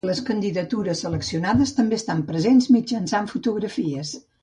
Les candidatures seleccionades també estan presents mitjançant fotografies.